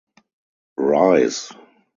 Rise!